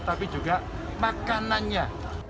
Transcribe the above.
tapi juga makanannya